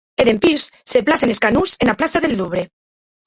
E dempús se placen es canons ena plaça deth Louvre.